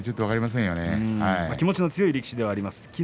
気持ちの強い力士ではあります。